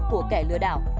của kẻ lừa đảo